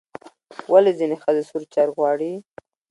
ولې ځینې ښځې سور چرګ غواړي؟